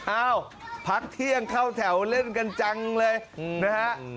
อ้าวพักเที่ยงเข้าแถวเล่นกันจังเลยนะฮะ